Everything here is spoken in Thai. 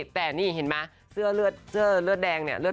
แต่นี่เห็นไหมเสื้อเลือดแดงเนี่ย